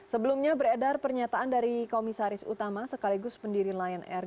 sebelumnya beredar pernyataan dari komisaris utama sekaligus pendiri lion air